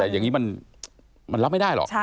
แต่อย่างนี้มันรับไม่ได้หรอก